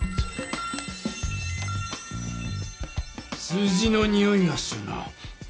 数字のにおいがするな。